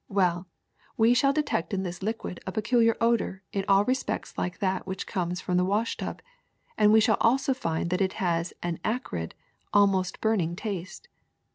Well, we shall detect in this liquid a peculiar odor in all respects like that which comes from the wash tub; and we shall also find that it has an acrid, al most burning taste.